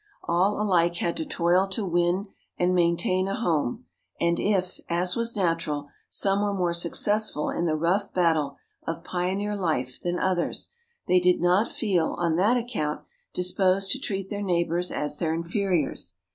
All alike had to toil to win and maintain a home; and if, as was natural, some were more successful in the rough battle of pioneer life than others, they did not feel, on that account, disposed to treat their neighbours as their inferiors.